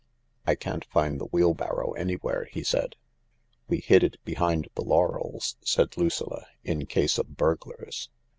" I can't find the wheelbarrow anywhere," he said. "We hid it behind the laurels," said Lucilla, "in case of burglars.